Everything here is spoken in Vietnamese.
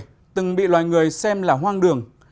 bầu trời từng bị loài người xem là hoang đường